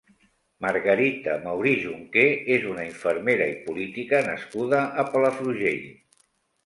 Margarita Mauri Junqué és una infermera i política nascuda a Palafrugell.